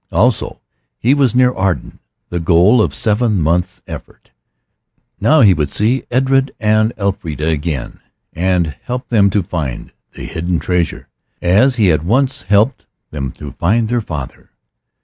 Also, he was near Arden, the goal of seven months' effort. Now he would see Edred and Elfrida again, and help them to find the hidden treasure, as he had once helped them to find their father.